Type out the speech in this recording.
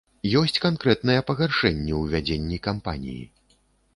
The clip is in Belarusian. Ёсць канкрэтныя пагаршэнні ў вядзенні кампаніі.